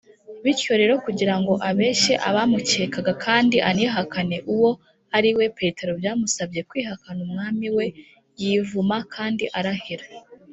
bityo rero kugira ngo abeshye abamukekaga kandi anihakane uwo ariwe, petero byamusabye kwihakana umwami we yivuma kandi arahira